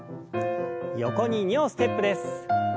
横に２歩ステップです。